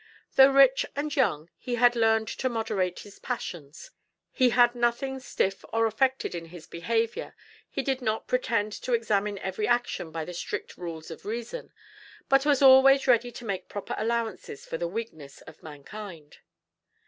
Though rich and young, he had learned to moderate his passions; he had nothing stiff or affected in his behavior, he did not pretend to examine every action by the strict rules of reason, but was always ready to make proper allowances for the weakness of mankind.